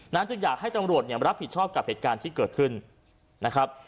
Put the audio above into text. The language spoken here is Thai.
จึงอยากให้ตำรวจเนี่ยรับผิดชอบกับเหตุการณ์ที่เกิดขึ้นนะครับ